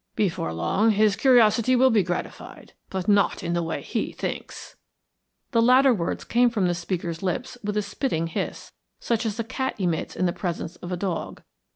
Before long, his curiosity will be gratified; but not in the way he thinks." The latter words came from the speaker's lips with a spitting hiss, such as a cat emits in the presence of a dog.